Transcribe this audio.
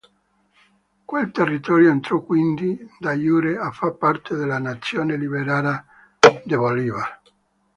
Quel territorio entrò quindi "de iure" a far parte della nazione liberata da Bolívar.